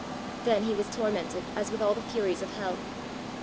Then he was tormented as with all the furies of hell.